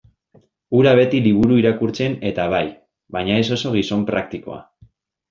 Hura beti liburu irakurtzen-eta bai, baina ez oso gizon praktikoa.